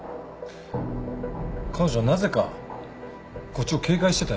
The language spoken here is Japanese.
彼女はなぜかこっちを警戒してたよ。